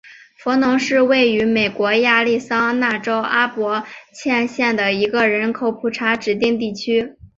弗农是位于美国亚利桑那州阿帕契县的一个人口普查指定地区。